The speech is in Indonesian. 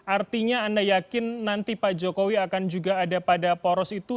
artinya anda yakin nanti pak jokowi akan juga ada pada poros itu